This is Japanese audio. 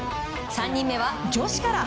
３人目は女子から。